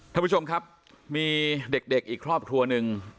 ท่านผู้ชมครับมีเด็กอีกครอบครัวหนึ่ง